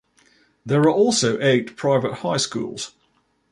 There are also eight private high schools.